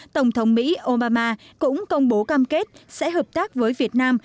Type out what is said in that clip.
tổng thống mỹ obama cũng công bố cam kết sẽ hợp tác với việt nam